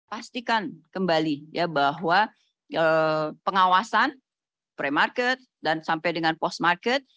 pastikan kembali bahwa pengawasan pre market dan sampai dengan post market